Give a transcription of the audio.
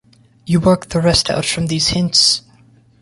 You work the rest out from these hints.